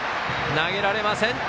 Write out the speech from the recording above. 投げられません。